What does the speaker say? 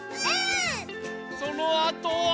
そのあとは。